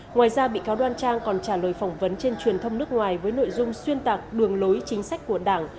ngoài ra bị cáo đoan trang còn trả lời phỏng vấn trên truyền thông nước ngoài với nội dung xuyên tạc đường lối chính sách của đảng